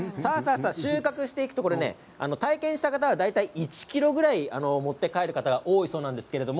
収穫した体験した方は大体１ｋｇぐらい持って帰ることが多いそうです。